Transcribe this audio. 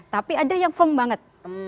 tapi ada yang firm banget